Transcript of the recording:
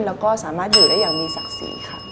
แล้วก็สามารถอยู่ได้อย่างมีศักดิ์ศรีค่ะ